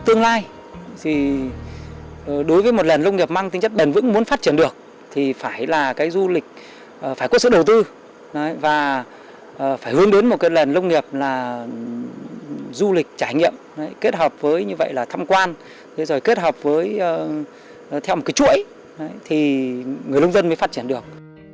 theo một cái chuỗi thì người nông dân mới phát triển được